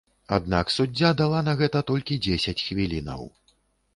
Аднак суддзя дала на гэта толькі дзесяць хвілінаў.